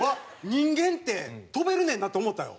人間って飛べるねんなって思ったよ。